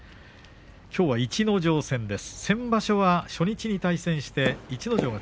きょうは逸ノ城戦です。